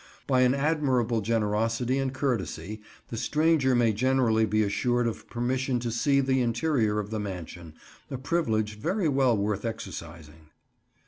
By an admirable generosity and courtesy the stranger may generally be assured of permission to see the interior of the mansion, a privilege very well worth exercising.